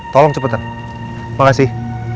tolong cepetan makasih